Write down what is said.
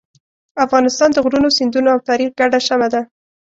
افغانستان د غرونو، سیندونو او تاریخ ګډه شمع ده.